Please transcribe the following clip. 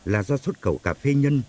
là do xuất khẩu cà phê nhân